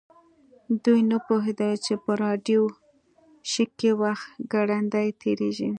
دوی نه پوهیدل چې په راډیو شیک کې وخت ګړندی تیریږي